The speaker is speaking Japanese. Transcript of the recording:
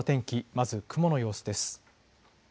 まず雲の様子です。